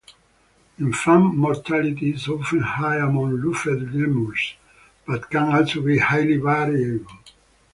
Infant mortality is often high among ruffed lemurs, but can also be highly variable.